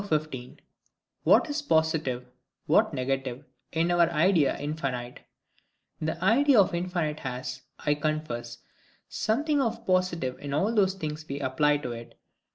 15. What is positive, what negative, in our Idea of infinite. The idea of infinite has, I confess, something of positive in all those things we apply to it.